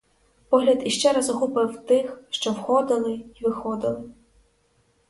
Погляд іще раз охопив тих, що входили й виходили.